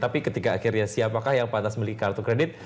tapi ketika akhirnya siapakah yang pantas beli kartu kredit